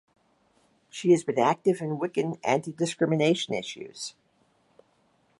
She has been active in Wiccan anti-discrimination issues.